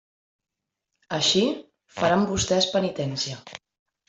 Així, faran vostès penitència.